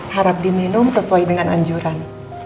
harap diminum sesuai dengan anjuran